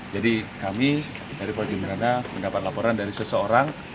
jadi kami dari kolejim rana mendapat laporan dari seseorang